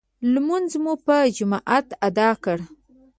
لمونځ مو په جماعت ادا کړ.